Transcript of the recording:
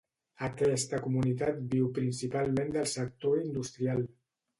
Aquesta comunitat viu principalment del sector industrial.